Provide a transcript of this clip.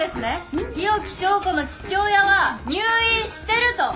日置昭子の父親は入院してると。